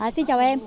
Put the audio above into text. xin chào em